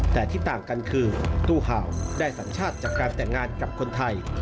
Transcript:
แต่ที่ต่างกันคือตู้เห่าได้สัญชาติจากการแต่งงานกับคนไทย